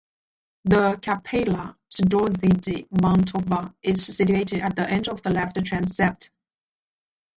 The Cappella Strozzi di Mantova is situated at the end of the left transept.